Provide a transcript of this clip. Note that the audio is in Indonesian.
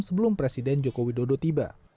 sebelum presiden joko widodo tiba